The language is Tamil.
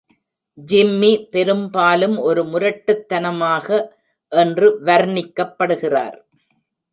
ஜிம்மி பெரும்பாலும் ஒரு முரட்டுத்தனமாக என்று வர்ணிக்கபடுகிறார்.